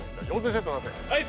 はい